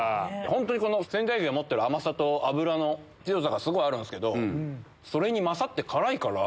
本当に仙台牛の持ってる甘さと脂の強さがあるんすけどそれに勝って辛いから。